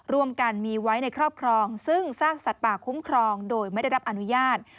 ร่วมกันมีไว้ในครอบครองซึ่งสร้างสัตว์ป่าคุ้มครองโดยไม่ได้รับอนุญาต